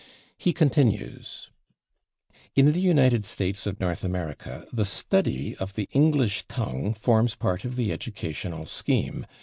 He continues: In the United States of North America the study of the English tongue forms part of the educational scheme.